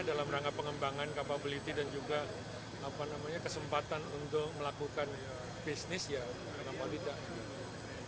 dalam rangka pengembangan capability dan juga kesempatan untuk melakukan bisnis ya kenapa tidak